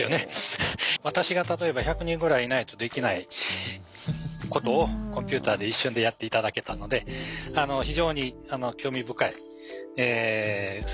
私が例えば１００人ぐらいいないとできないことをコンピューターで一瞬でやって頂けたので非常に興味深い成果だと思います。